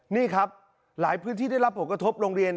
นี่ครับหลายพื้นที่ได้รับผลกระทบโรงเรียน